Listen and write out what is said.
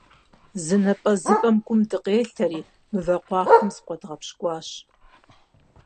Зы напӀэзыпӀэм гум дыкъелъэри, мывэ къуагъхэм закъуэдгъэпщкӀуащ.